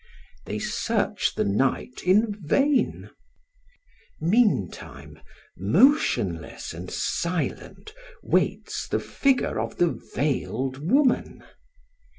They search the night in vain. Meantime, motionless and silent waits the figure of the veiled woman.